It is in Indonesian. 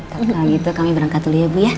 kalau gitu kami berangkat dulu ya bu ya